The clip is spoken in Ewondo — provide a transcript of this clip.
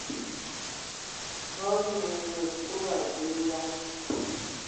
Mə lum wa ekuda ! Zulǝyan!